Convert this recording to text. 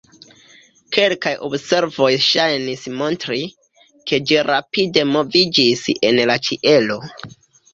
Kelkaj observoj ŝajnis montri, ke ĝi rapide moviĝis en la ĉielo.